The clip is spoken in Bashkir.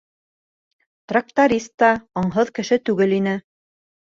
Тракторист та аңһыҙ кеше түгел ине.